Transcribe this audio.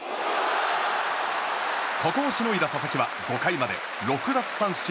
ここをしのいだ佐々木は５回まで６奪三振